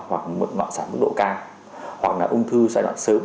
hoặc là loạn sản mức độ cao hoặc là ung thư giai đoạn sớm